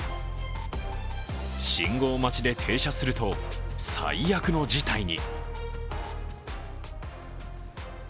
信号待ちで停車すると最悪の事態に。